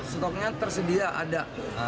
stoknya tersedia ada